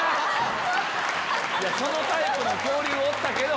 そのタイプの恐竜おったけど！